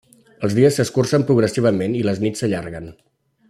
Els dies s'escurcen progressivament i les nits s'allarguen.